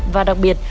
và đặc biệt